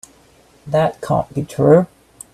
That can't be true.